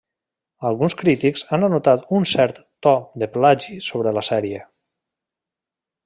Alguns crítics han anotat un cert to de plagi sobre la sèrie.